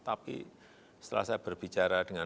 tapi setelah saya berbicara dengan